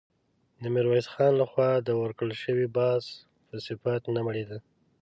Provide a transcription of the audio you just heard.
د ميرويس خان له خوا د ورکړل شوي باز په صفت نه مړېده.